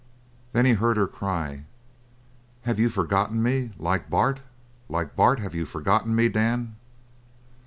Then he heard her cry: "Have you forgotten me, like Bart? Like Bart, have you forgotten me, Dan?"